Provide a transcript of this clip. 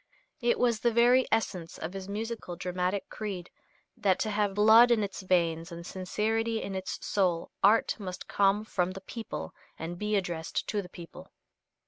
It was the very essence of his musical dramatic creed that to have blood in its veins and sincerity in its soul art must come from the people and be addressed to the people.